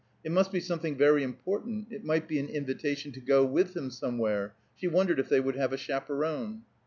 It must be something very important; it might be an invitation to go with him somewhere; she wondered if they would have a chaperone.